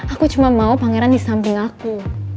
aku cuma mau pangeran di samping aku